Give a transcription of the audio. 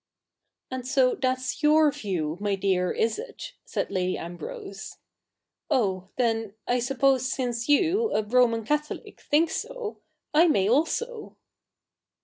' And so that's your view, my dear, is it ?' said Lady Ambrose. ' Oh, then, I suppose since you, a Roman Catholic, think so, I may also.'